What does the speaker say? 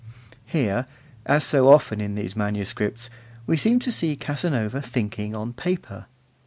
Here, as so often in these manuscripts, we seem to see Casanova thinking on paper.